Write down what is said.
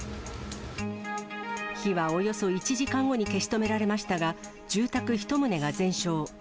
火はおよそ１時間後に消し止められましたが、住宅１棟が全焼。